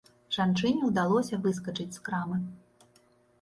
Жанчыне ўдалося выскачыць з крамы.